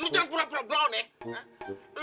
lo jangan buram buram bro nih